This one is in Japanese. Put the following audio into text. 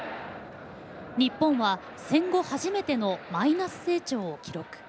日本は戦後初めてのマイナス成長を記録。